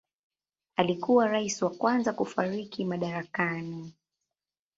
Alikuwa rais wa kwanza kufariki madarakani.